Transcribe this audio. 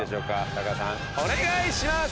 お願いします。